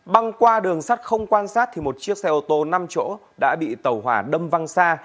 băng qua đường sắt không quan sát thì một chiếc xe ô tô năm chỗ đã bị tàu hỏa đâm văng xa